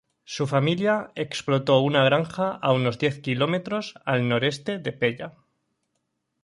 Su familia explotó una granja a unos diez kilómetros al noreste de Pella.